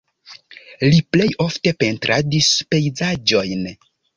Li plej ofte pentradis pejzaĝojn.